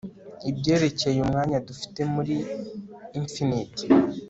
Ibyerekeye umwanya dufite muri infinite